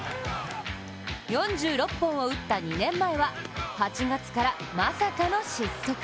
４６本を打った２年前は８月からまさかの失速。